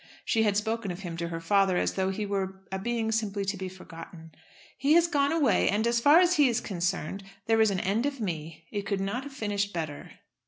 She had spoken of him to her father as though he were a being simply to be forgotten. "He has gone away, and, as far as he is concerned, there is an end of me. It could not have finished better."